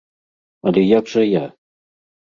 Але як жа я?